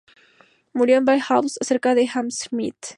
Murió en Blythe-House, cerca de Hammersmith.